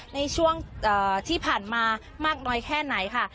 ในช่วงที่ผ่านมามากน้อยแค่ไหนค่ะ